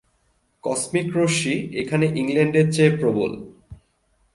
Cosmic রশ্মি এখানে ইংল্যান্ডের চেয়ে প্রবল।